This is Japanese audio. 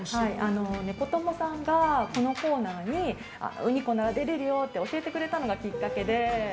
ネコ友さんが、このコーナーにうにこなら出れるよって教えてくれたのがきっかけで。